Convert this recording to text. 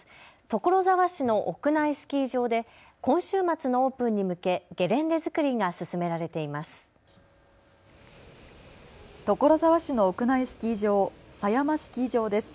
所沢市の屋内スキー場で今週末のオープンに向けゲレンデづくりが進められています。